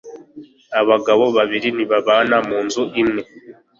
abagabo babiri ntibabana mu nzu imwe